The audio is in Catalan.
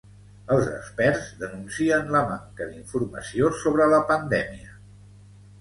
Els experts denuncien la manca d'informació sobre la pandèmia.